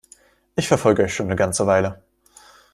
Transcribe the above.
Ich verfolge euch schon 'ne ganze Weile.